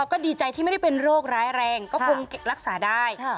ก็ดีใจที่ไม่ได้เป็นโรคร้ายแรงก็คงรักษาได้